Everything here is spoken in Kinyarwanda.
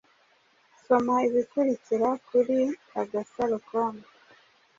Soma ibikurikira kuri agasarocom